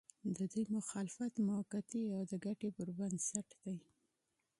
د دوی مخالفت موقعتي او د ګټې پر بنسټ دی.